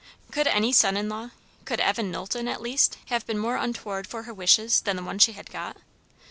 Could any son in law, could Evan Knowlton, at least, have been more untoward for her wishes than the one she had got?